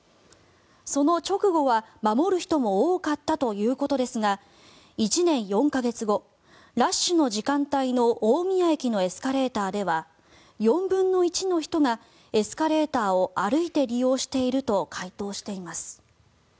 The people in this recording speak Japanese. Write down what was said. その直後は、守る人も多かったということですが１年４か月後ラッシュの時間帯の大宮駅のエスカレーターでは４分の１の人がエスカレーターを歩いて利用していると回答しています。